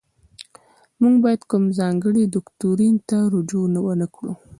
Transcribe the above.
موږ باید کوم ځانګړي دوکتورین ته رجوع ونکړو.